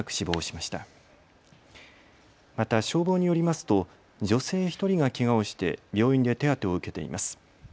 また消防によりますと女性１人がけがをして病院で手当てを受けています。